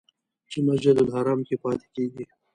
چې مسجدالحرام کې پاتې کېږي.